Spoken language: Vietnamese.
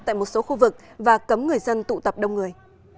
tại một số khu vực và cấm người dân tụ tập đông người